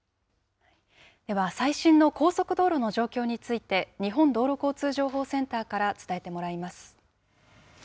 では最新の高速道路の状況について、日本道路交通情報センターから伝えてもらいます。